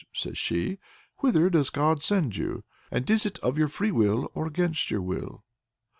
says she, "whither does God send you? and is it of your free will or against your will?"